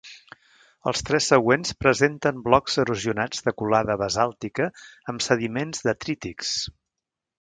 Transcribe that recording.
Els tres següents presenten blocs erosionats de colada basàltica amb sediments detrítics.